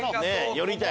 寄りたい！